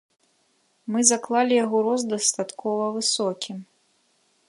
Мы заклалі яго рост дастаткова высокім.